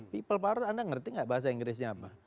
people power anda ngerti nggak bahasa inggrisnya apa